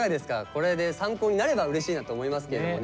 これで参考になればうれしいなと思いますけれどもね。